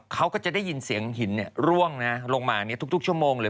เขาก็จะได้ยินเสียงหินร่วงลงมาทุกชั่วโมงเลย